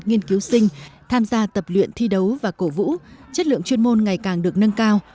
nghiên cứu sinh tham gia tập luyện thi đấu và cổ vũ chất lượng chuyên môn ngày càng được nâng cao